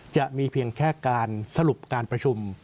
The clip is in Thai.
จะมีเพียงแค่การสรุปการประชุม